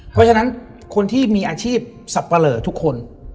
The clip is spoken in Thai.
เพราะฉะนั้นคนที่มีอาชีพสับปะเหลอทุกคน